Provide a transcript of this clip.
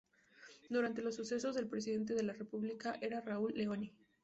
Durante los sucesos el Presidente de la República era Raúl Leoni.